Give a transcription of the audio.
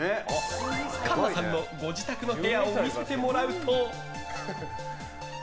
栞菜さんのご自宅の部屋を見せてもらうと。